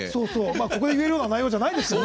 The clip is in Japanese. ここで言える内容じゃないですけどね。